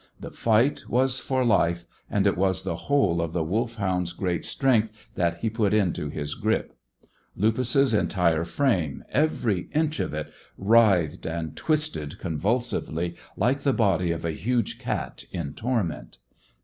The fight was for life, and it was the whole of the Wolfhound's great strength that he put into his grip. Lupus's entire frame, every inch of it, writhed and twisted convulsively, like the body of a huge cat in torment.